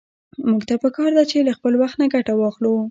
موږ ته په کار ده چې له خپل وخت نه ګټه واخلو.